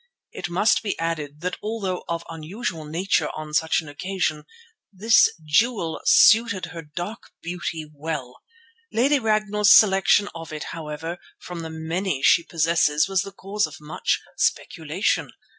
It must be added that although of an unusual nature on such an occasion this jewel suited her dark beauty well. Lady Ragnall's selection of it, however, from the many she possesses was the cause of much speculation.